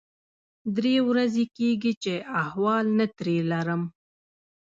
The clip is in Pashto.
درې ورځې کېږي چې احوال نه ترې لرم.